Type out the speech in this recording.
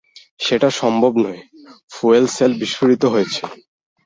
Set সম্ভব নয়, fuel cell বিস্ফোরিত হয়েছে।